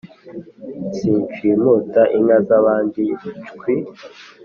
Sinshimuta inka zabandi shwi